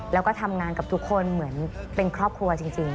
แล้วก็ทำงานกับทุกคนเหมือนเป็นครอบครัวจริง